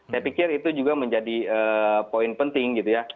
saya pikir itu juga menjadi poin penting gitu ya